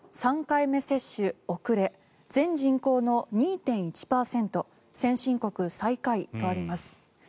３回目接種遅れ全人口の２．１％先進国最下位とあります。